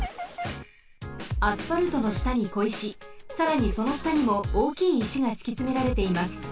アスファルトのしたにこいしさらにそのしたにもおおきいいしがしきつめられています。